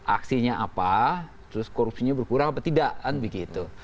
aksinya apa terus korupsinya berkurang apa tidak kan begitu